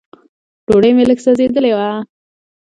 ډوډۍ مې لږ سوځېدلې وه.